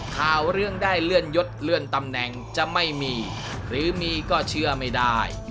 ข่าวเรื่องได้เลื่อนยศเลื่อนตำแหน่งจะไม่มีหรือมีก็เชื่อไม่ได้